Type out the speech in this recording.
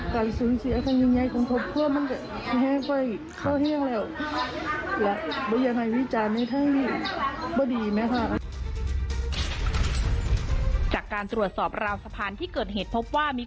การซื้อเสียทางยังไงคงพบว่ามันจะแห้งไป